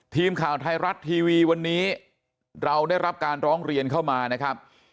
ทีมข่าวไทยรัฐทีวีวันนี้เราได้รับการร้องเรียนเข้ามานะครับ